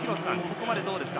ここまでどうですか？